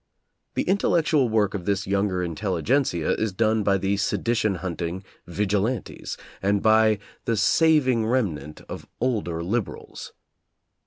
The intel lectual work of this younger intelligentsia is done by the sedition hunting Vigilantes, and by the sav [ 129] ing remnant of older liberals.